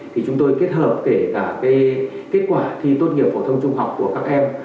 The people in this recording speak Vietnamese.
thì chúng tôi kết hợp kể cả kết quả thi tốt nghiệp phổ thông trung học của các em